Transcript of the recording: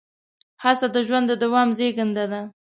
هڅه د ژوند د دوام زېږنده ده.